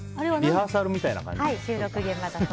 あれはリハーサルみたいな感じ。